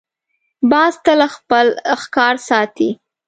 باز تل خپل ښکار ساتي